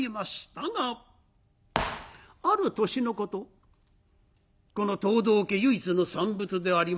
ある年のことこの藤堂家唯一の産物であります